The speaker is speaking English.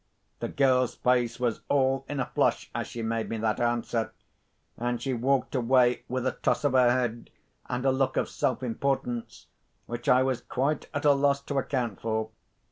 The girl's face was all in a flush as she made me that answer; and she walked away with a toss of her head and a look of self importance which I was quite at a loss to account for.